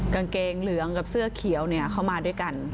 กางเกงเหลืองกับเสื้อเขียวเข้ามาด้วยกัน